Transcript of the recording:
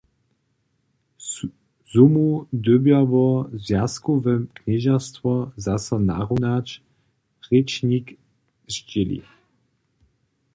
Sumu dyrbjało zwjazkowe knježerstwo zaso narunać, rěčnik zdźěli.